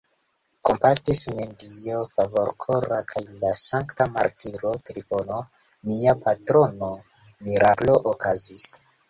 Kompatis min Dio Favorkora kaj la sankta martiro Trifono, mia patrono: miraklo okazis!